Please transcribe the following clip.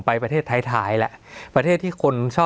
สวัสดีครับทุกผู้ชม